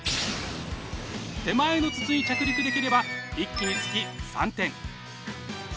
手前の筒に着陸できれば１機につき３点。